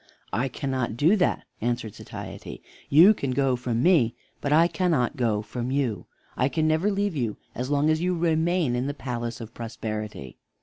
"I cannot do that," answered Satiety. "You can go from me, but I cannot go from you; I can never leave you as long as you remain in the palace of Prosperity."